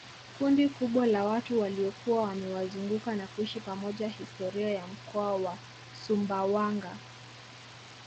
kundi kubwa la watu waliokuwa wamewazunguka na kuishi pamoja historia ya mkoa wa sumbawanga